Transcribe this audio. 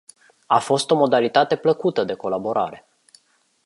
A fost o modalitate plăcută de colaborare.